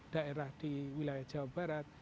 daerah di wilayah jawa barat